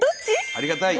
ありがたい。